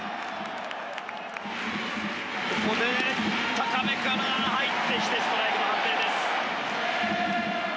ここで高めから入ってきてストライクの判定です。